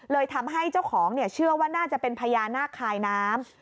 เลยทำให้เจ้าของเชื่อว่าน่าจะเป็นพญานาคคายน้ำ